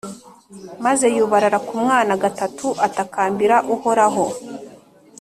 Maze yubarara ku mwana gatatu atakambira Uhoraho